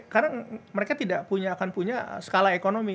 karena mereka tidak punya akan punya skala ekonomi